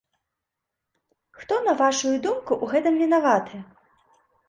Хто, на вашую думку, у гэтым вінаваты?